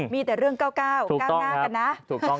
มีแต่เรื่องเก้าเก้าหน้ากันนะ